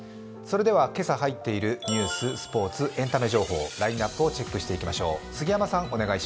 今朝入っているニュース、スポーツ、エンタメ情報、ラインナップをチェックしていきましょう。